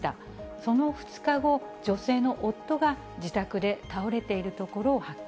その２日後、女性の夫が、自宅で倒れているところを発見。